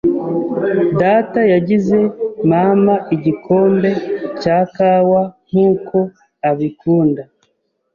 Data yagize mama igikombe cya kawa nkuko abikunda.